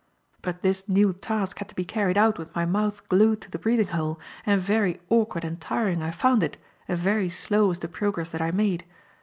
But this new task had to be carried out with my mouth glued to the breathing hole; and very awkward and tiring I found it and very slow was the progress that I made.